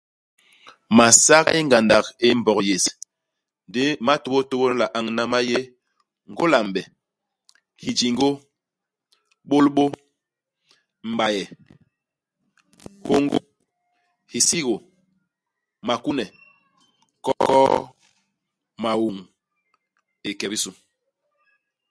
Masak ma yé ngandak i Mbog yés. Ndi ma tôbôtôbô di nla añ nna, ma yé ; ngôla-m'be, hijingô, bôlbô, m'baye, hôngô, hisigô, makune, koo, mauñ, ike i bisu.